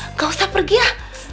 nggak usah pergi ya